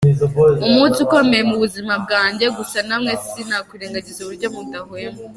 umunsi ukomeye mu buzima bwanjye gusa namwe sinakwirengagiza uburyo mudahwema.